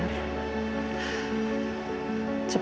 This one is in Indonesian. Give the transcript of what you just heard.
pak suria bener